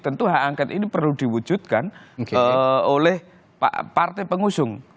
tentu hak angket ini perlu diwujudkan oleh partai pengusung